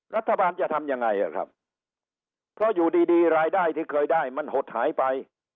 รัฐบาลจะทำยังไงอ่ะครับเพราะอยู่ดีดีรายได้ที่เคยได้มันหดหายไป